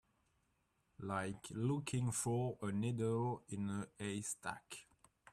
Like looking for a needle in a haystack.